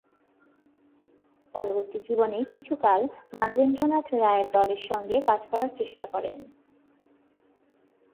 পরবর্তী জীবনে কিছুকাল মানবেন্দ্রনাথ রায়ের দলের সংগে কাজ করার চেষ্টা করেন।